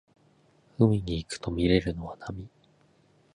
海に行くとみれるのは波